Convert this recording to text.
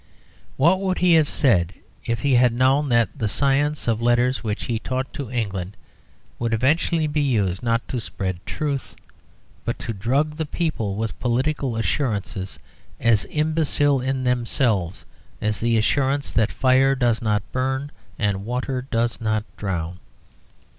What would he have said if he had known that that science of letters which he taught to England would eventually be used not to spread truth, but to drug the people with political assurances as imbecile in themselves as the assurance that fire does not burn and water does not drown?